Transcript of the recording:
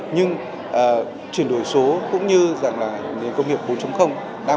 nhưng chuyển đổi số cũng như công nghiệp bốn